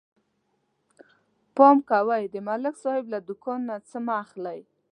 پام کوئ د ملک صاحب له دوکان نه څه مه اخلئ